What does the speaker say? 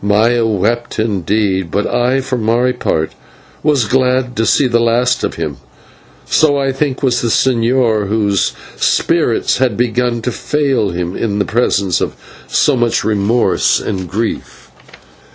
Maya wept indeed, but I for my part was glad to see the last of him, and so, I think, was the señor, whose spirits had begun to fail him in the presence of so much remorse and grief.